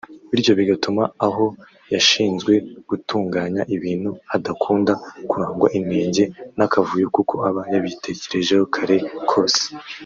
bityo bigatuma aho yashinzwe gutunganya ibintu hadakunda kurangwa inenge n’akavuyo kuko aba yabitekerejeho kare kose